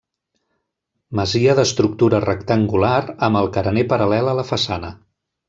Masia d'estructura rectangular amb el carener paral·lel a la façana.